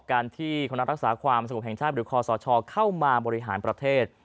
การที่คณะรักษาความสงบแห่งชาติหรือคอสชเข้ามาบริหารประเทศ